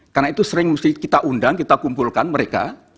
karena itu sering kita undang kita kumpulkan mereka